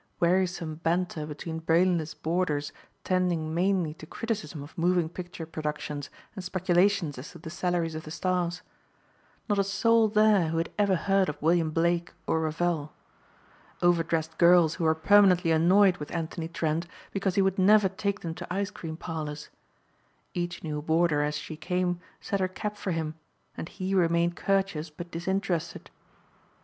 Wearisome banter between brainless boarders tending mainly to criticism of moving picture productions and speculations as to the salaries of the stars. Not a soul there who had ever heard of William Blake or Ravel! Overdressed girls who were permanently annoyed with Anthony Trent because he would never take them to ice cream parlors. Each new boarder as she came set her cap for him and he remained courteous but disinterested.